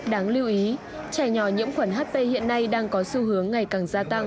đáng lưu ý trẻ nhỏ nhiễm khuẩn ht hiện nay đang có xu hướng ngày càng gia tăng